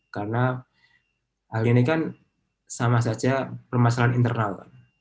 karena hal ini kan sama saja permasalahan internal